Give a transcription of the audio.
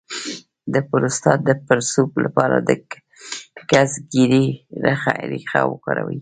د پروستات د پړسوب لپاره د ګزګیرې ریښه وکاروئ